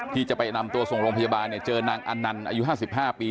ที่จะไปนำตัวส่งโรงพยาบาลเนี้ยเจอนางอันนันอายุห้าสิบห้าปี